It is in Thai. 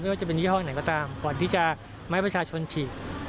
ว่าจะเป็นยี่ห้อไหนก็ตามก่อนที่จะมาให้ประชาชนฉีด